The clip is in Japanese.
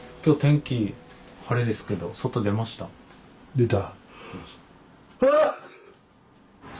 出た。